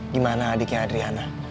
gimana adiknya adriana